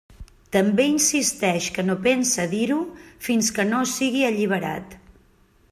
També insisteix que no pensa dir-ho fins que no sigui alliberat.